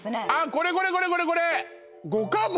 これこれこれこれこれ五家宝